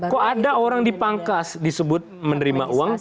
kok ada orang dipangkas disebut menerima uang